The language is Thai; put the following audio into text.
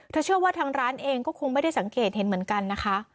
เชื่อว่าทางร้านเองก็คงไม่ได้สังเกตเห็นเหมือนกันนะคะ